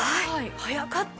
早かった。